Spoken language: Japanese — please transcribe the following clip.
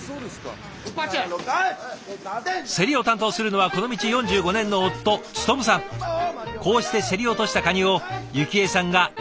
競りを担当するのはこの道４５年のこうして競り落としたカニを祐喜江さんが一つ一つ確認。